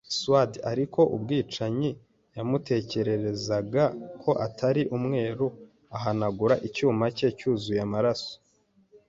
sward; ariko umwicanyi yamutekerezaga ko atari umweru, ahanagura icyuma cye cyuzuye amaraso